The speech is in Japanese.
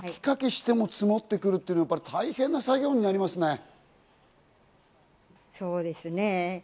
雪かきしても、積もってくるっていうのは大変な作業になりますね。